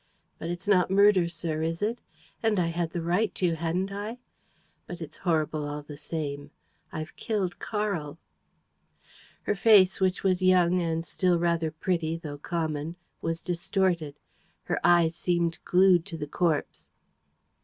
But it's not a murder, sir, is it? And I had the right to, hadn't I? ... But it's horrible all the same ... I've killed Karl!" Her face, which was young and still rather pretty, though common, was distorted. Her eyes seemed glued to the corpse.